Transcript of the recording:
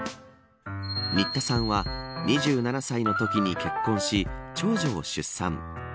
新田さんは２７歳のときに結婚し長女を出産。